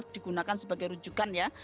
digunakan sebagai rujukan ya